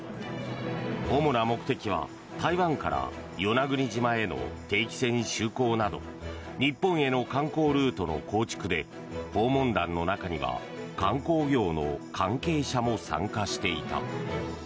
主な目的は台湾から与那国島への定期線就航など日本への観光ルートの構築で訪問団の中には観光業の関係者も参加していた。